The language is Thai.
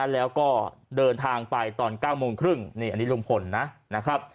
แล้วก็เดินทางไปตอน๙โมงครึ่งนี่อันนี้ลุงพลนะครับ